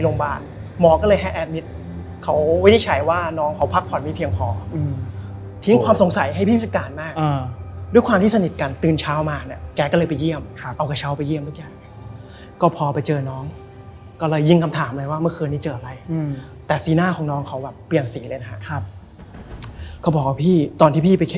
เนี่ยพี่ต้องการอาศาสมัครขึ้นไปสักสองคน